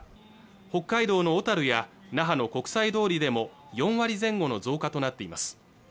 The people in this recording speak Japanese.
北海道の小樽や那覇の国際通りでも４割前後の増加となっています